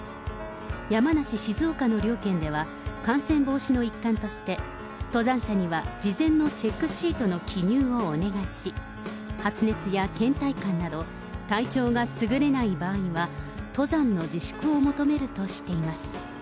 山梨、静岡の両県では、感染防止の一環として、登山者には事前のチェックシートの記入をお願いし、発熱やけん怠感など、体調がすぐれない場合は登山の自粛を求めるとしています。